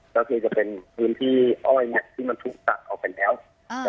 ก็คือจะเป็นพื้นที่อ้อยเนี่ยที่มันถูกตัดออกไปแล้ว